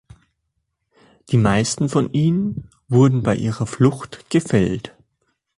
Die meisten von ihnen wurden bei ihrer Flucht gefällt.